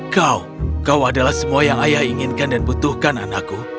kau kau adalah semua yang ayah inginkan dan butuhkan anakku